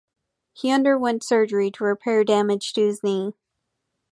He underwent surgery to repair damage to his knee.